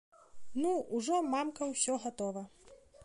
Ну, ужо, мамка, усё гатова!